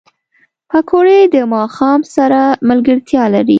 پکورې د ماښام سره ملګرتیا لري